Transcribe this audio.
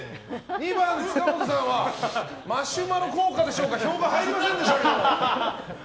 ２番、塚本さんはマシュマロ効果でしょうか票が入りませんでした。